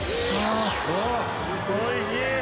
おいしい。